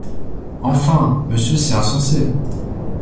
Enfin, monsieur, c’est insensé !